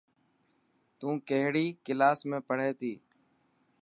تون ڪهڙي ڪلاس ۾ پهڙي ٿي.